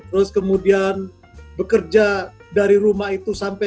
terus kemudian bekerja dari rumah itu sampai